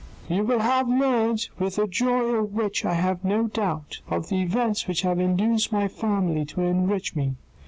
"You will have learnt, with a joy of which I have no doubt, of the events which have induced my family to enrich me.